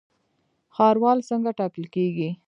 ښاروال څنګه ټاکل کیږي؟